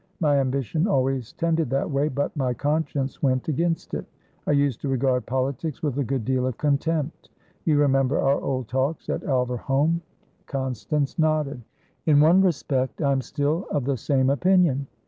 My ambition always tended that way, but my conscience went against it. I used to regard politics with a good deal of contempt. You remember our old talks, at Alverholme?" Constance nodded. "In one respect, I am still of the same opinion.